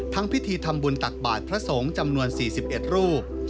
พิธีทำบุญตักบาทพระสงฆ์จำนวน๔๑รูป